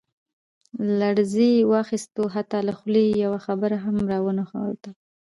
لړزې واخستو حتا له خولې يې يوه خبره هم را ونوته.